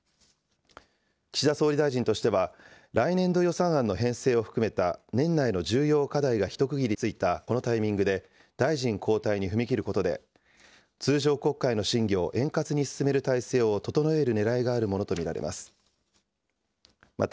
岸田総理大臣としては、来年度予算案の編成を含めた年内の重要課題が一区切りついたこのタイミングで、大臣交代に踏み切ることで、通常国会の審議を円滑に進める体制を整えるねらいがあるものと見られます。